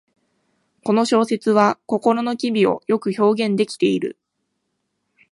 この小説は心の機微をよく表現できている